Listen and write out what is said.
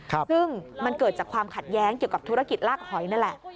ซึ่งมันเกิดจากความขัดแย้งเกี่ยวกับธุรกิจลากหอยนั่นแหละ